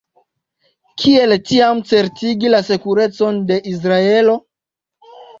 Kiel tiam certigi la sekurecon de Israelo?